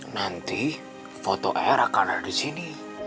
nanti foto air akan ada di sini